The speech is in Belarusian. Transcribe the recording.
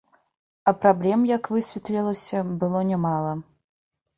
А праблем, як высветлілася, было нямала.